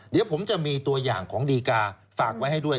เดี๋ยวผมจะมีตัวอย่างของดีกาฝากไว้ให้ด้วย